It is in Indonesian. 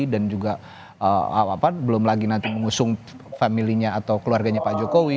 dan juga belum lagi nanti mengusung family nya atau keluarganya pak jokowi